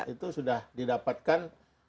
itu sudah didapatkan